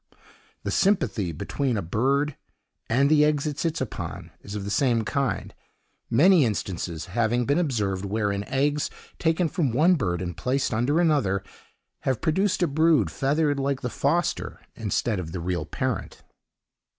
The sympathy between a bird and the eggs it sits upon, is of the same kind; many instances having been observed, wherein eggs, taken from one bird and placed under another, have produced a brood feathered like the foster instead of the real parent.